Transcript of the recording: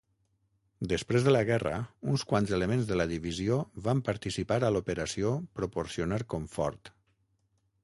Després de la guerra, uns quants elements de la divisió van participar a l'Operació Proporcionar Comfort.